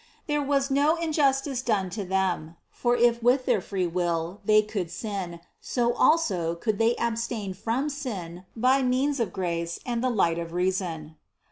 There was no injustice done to them, for if with their free will they could sin, so also could they abstain from sin by means of grace and the light of reason.